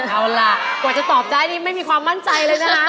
เอาล่ะกว่าจะตอบได้นี่ไม่มีความมั่นใจเลยนะฮะ